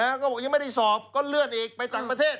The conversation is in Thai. เขาบอกยังไม่ได้สอบก็เลื่อนอีกไปต่างประเทศ